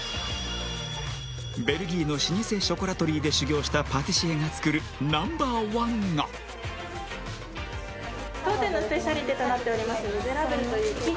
ベルギーの老舗ショコラトリーで修業したパティシエが作るＮｏ．１が・当店のスペシャリテとなっております